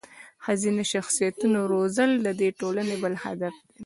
د ښځینه شخصیتونو روزل د دې ټولنې بل هدف دی.